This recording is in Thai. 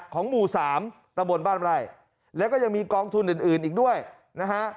ของหมู่สามตะบนบ้านไร่แล้วก็ยังมีกองทุนอื่นอื่นอีกด้วยนะฮะ